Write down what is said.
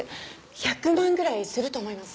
１００万ぐらいすると思います。